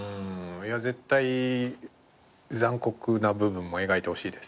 いや絶対残酷な部分も描いてほしいですね。